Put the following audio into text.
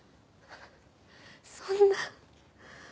そんな。